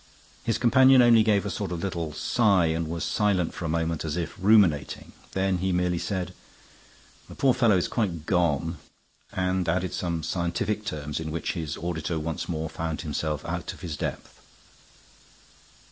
His companion only gave a sort of a little sigh and was silent for a moment, as if ruminating, then he merely said, "The poor fellow is quite gone," and added some scientific terms in which his auditor once more found himself out of his depth.